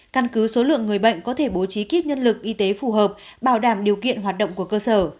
căn cứ số lượng người bệnh có thể bố trí kiếp nhân lực y tế phù hợp bảo đảm điều kiện hoạt động của cơ sở